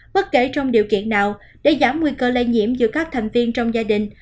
bất kể trong điều kiện nào để giảm nguy cơ lây nhiễm giữa các thành viên trong gia đình